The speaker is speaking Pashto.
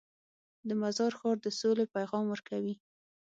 د مزار ښار د سولې پیغام ورکوي.